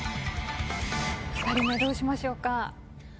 ２人目どうしましょうか？